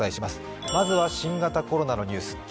まずは新型コロナのニュース。